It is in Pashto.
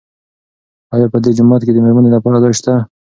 آیا په دې جومات کې د مېرمنو لپاره ځای شته؟